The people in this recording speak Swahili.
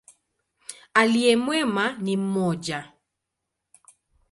Aliye mwema ni mmoja.